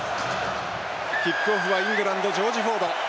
キックオフはイングランドジョージ・フォード。